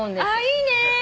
いいね！